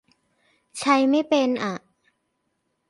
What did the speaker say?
ใช้ไม่เป็นอ่ะ